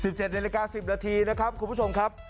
เจ็ดนาฬิกาสิบนาทีนะครับคุณผู้ชมครับ